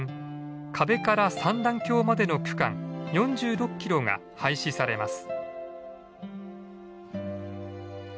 可部から三段峡までの区間４６キロが廃止されます。